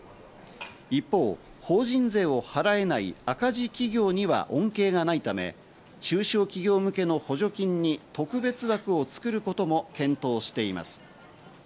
一方、法人税を払えない赤字企業には恩恵がないため、中小企業向けの補助金に特別枠を作ることも検討しています。